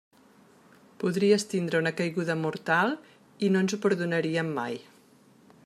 Podries tindre una caiguda mortal i no ens ho perdonaríem mai.